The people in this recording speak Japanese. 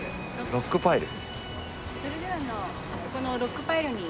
ロックパイル。